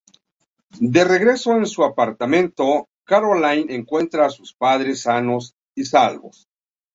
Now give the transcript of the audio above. De regreso en su apartamento, Coraline encuentra a sus padres sanos y salvos.